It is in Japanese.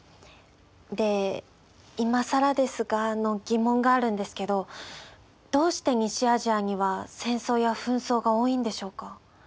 でいまさらですがの疑問があるんですけどどうして西アジアには戦争や紛争が多いんでしょうか？